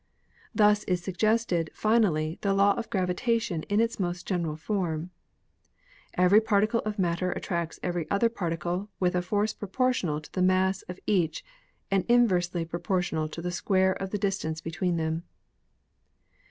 Thus is suggested finally the law of gravitation in its most general form: 'Every particle of matter attracts every other particle with a force proportional to the mass of each and inversely pro portional to the square of the distance between them.'